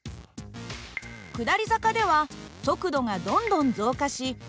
下り坂では速度がどんどん増加しυ−